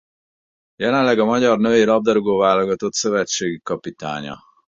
Jelenleg a magyar női labdarúgó-válogatott szövetségi kapitánya.